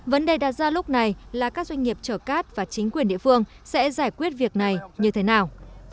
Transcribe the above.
vấn đề đặt ra lúc này là các doanh nghiệp chở cát và chính quyền địa phương sẽ giải quyết việc này như thế nào